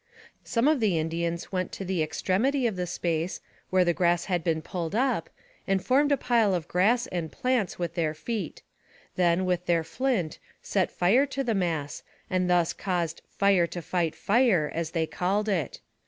Some of the Indians went to the extremity of the space, where the grass had been pulled up, and formed a pile of grass and plants with their feet; then, with their flint, set fire to the mass, and thus caused " fire to fight fire," as they called it.